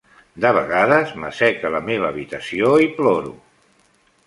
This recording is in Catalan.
De vegades, m'assec a la meva habitació i ploro.